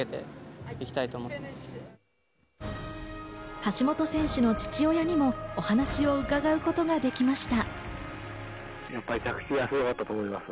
橋本選手の父親にもお話を伺うことができました。